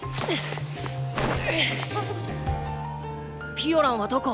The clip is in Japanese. ⁉ピオランはどこ？